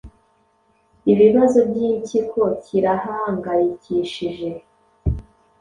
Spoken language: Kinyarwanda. Ibibazo by’impyiko kirahangayikishije